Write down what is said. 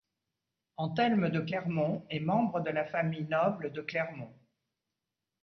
Anthelme de Clermont est membre de la famille noble de Clermont.